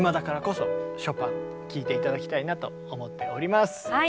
聴いて頂きたいなと思っております。